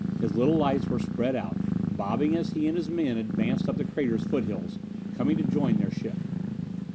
His little lights were spread out, bobbing as he and his men advanced up the crater's foothills, coming to join their ship.